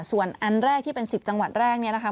ส่วนอันแรกที่เป็น๑๐จังหวัดแรกเนี่ยนะคะ